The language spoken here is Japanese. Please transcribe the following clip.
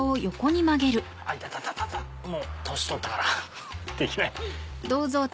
痛たたたもう年取ったからできない。